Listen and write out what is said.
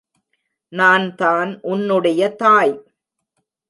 நான்தான் உன்னுடைய தாய்.